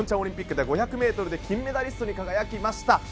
平昌オリンピックで５００ｍで金メダリストに輝きました。